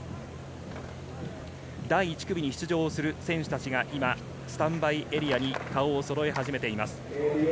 第１組に出場する選手たちがスタンバイエリアに顔をそろえ始めています。